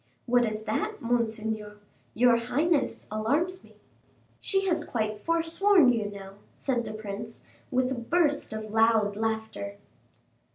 "What is that, monseigneur? Your highness alarms me." "She has quite forsworn you now," said the prince, with a burst of loud laughter.